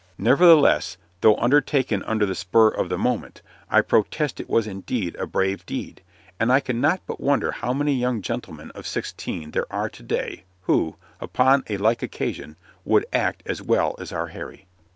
Nevertheless, though undertaken under the spur of the moment, I protest it was indeed a brave deed, and I cannot but wonder how many young gentlemen of sixteen there are to day who, upon a like occasion, would act as well as our Harry.